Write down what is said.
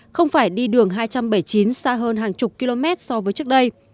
không phải đi đường hai trăm bảy mươi chín xa hơn hàng chục km so với trước đây